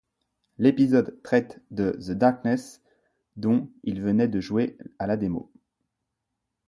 L'épisode traite de The Darkness, dont il venait de jouer à la démo.